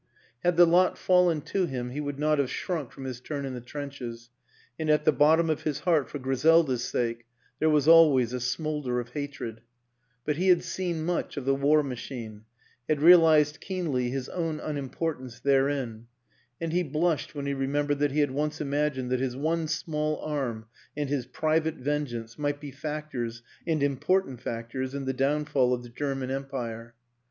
264 WILLIAM AN ENGLISHMAN Had the lot fallen to him he would not have shrunk from his turn in the trenches, and at the bottom of his heart, for Griselda's sake, there was always a smolder of hatred ; but he had seen much of the war machine, had realized keenly his own unimportance therein, and he blushed when he remembered that he had once imagined that his one small arm and his private vengeance might be factors, and important factors, in the downfall of the German Empire.